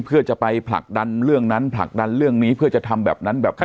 เพื่อจะไปผลักดันเรื่องนั้นผลักดันเรื่องนี้เพื่อจะทำแบบนั้นแบบนี้